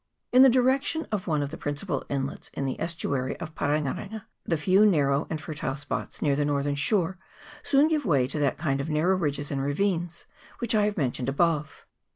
In the direction of one of the principal inlets in the estuary of Pa renga renga, the few narrow and fertile spots near the northern shore soon give way to that kind of narrow ridges and ravines which I have mentioned above.